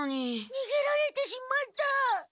にげられてしまった。